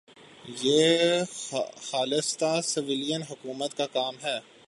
یہ خالصتا سویلین حکومت کا کام ہے۔